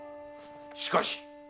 しかし。